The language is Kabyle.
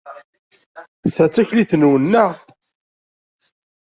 Ta d taklit-nwen, naɣ?